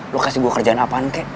lo kasih gue kerjaan apaan kek